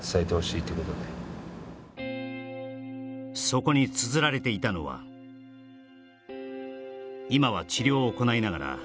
そこにつづられていたのは「今は治療を行いながら」